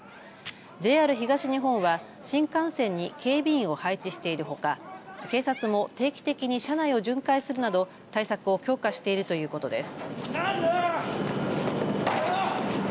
ＪＲ東日本は新幹線に警備員を配置しているほか、警察も定期的に車内を巡回するなど対策を強化しているということです。